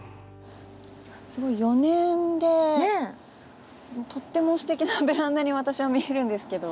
４年でとってもすてきなベランダに私は見えるんですけど。